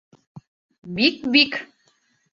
Бик-бик!